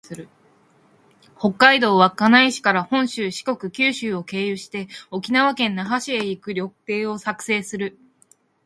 北海道稚内市から本州、四国、九州を経由して、沖縄県那覇市へ行く旅程を作成する